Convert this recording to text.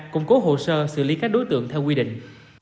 củng cố hồ sơ xử lý các đối tượng theo quy định